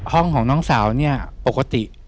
ห้องของน้องสาวเนี่ยปกติ